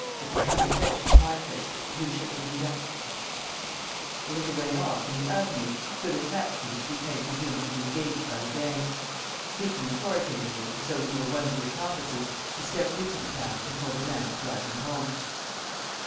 They can come and fetch it at my place, Rue Chateaubriand." A little way off, in the avenue, stood a taxi which Lupin presumed to be engaged by the gang. Speaking authoritatively, as though he were one of the accomplices, he stepped into the cab and told the man to drive him home.